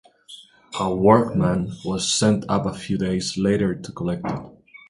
A workman was sent up a few days later to collect it.